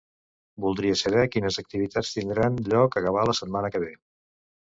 Voldria saber quines activitats tindran lloc a Gavà la setmana que ve.